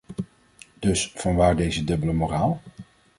Dus vanwaar deze dubbele moraal?